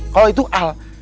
kalau itu al